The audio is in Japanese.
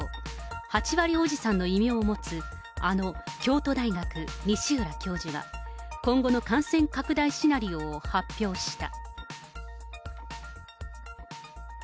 ８割おじさんの異名を持つ、あの京都大学、西浦教授が、今後の感染拡大シナリオを発表した。